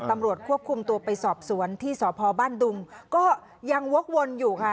ตำรวจควบคุมตัวไปสอบสวนที่สพบ้านดุงก็ยังวกวนอยู่ค่ะ